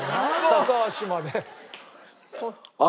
高橋まで。